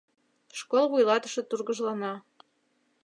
Школ вуйлатыше тургыжлана.